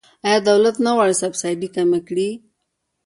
آیا دولت نه غواړي سبسایډي کمه کړي؟